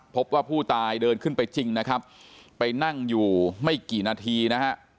พบว่าผู้ตายเดินขึ้นไปจริงนะครับไปนั่งอยู่ไม่กี่นาทีนะฮะ